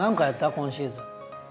今シーズン。